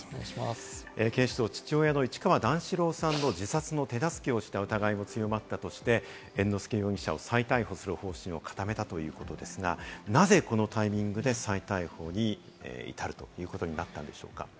警視庁は父親の市川段四郎さんの自殺の手助けをした疑いも強まったとして、猿之助容疑者を再逮捕する方針を固めたということですが、なぜこのタイミングで再逮捕に至るということになったんでしょうか？